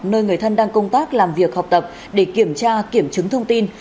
nơi người thân đang công tác làm việc học tập để kiểm tra kiểm chứng thông tin